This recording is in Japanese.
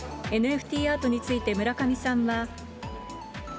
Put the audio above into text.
ＮＦＴアートについて、村上さんは。